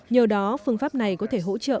nhờ đó phương pháp này có thể hỗ trợ